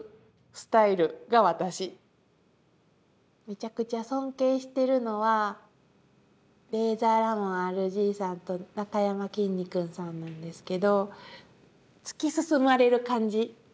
めちゃくちゃ尊敬してるのはレイザーラモンＲＧさんとなかやまきんに君さんなんですけど突き進まれる感じ。